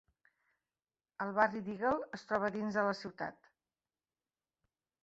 El barri d'Eagle es troba dins de la ciutat.